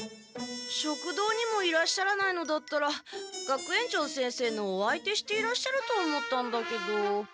食堂にもいらっしゃらないのだったら学園長先生のお相手していらっしゃると思ったんだけど。